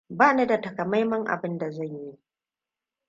Bani da takamaiman abin da zan yi.